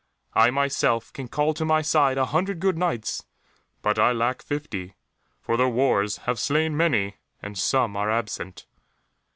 I myself can call to my side a hundred good Knights, but I lack fifty, for the wars have slain many, and some are absent."